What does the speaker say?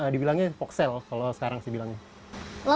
dibilangnya foxel kalau sekarang sih bilangnya